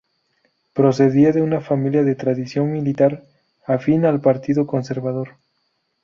Procedía de una familia de tradición militar afín al partido conservador.